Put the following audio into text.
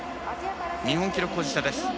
日本記録保持者。